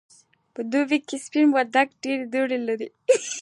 په دوبی کی سپین بولدک ډیری دوړی لری.